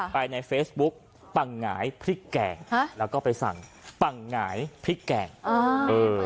ไปในเฟซบุ๊กปังหงายพริกแกงฮะแล้วก็ไปสั่งปังหงายพริกแกงเออ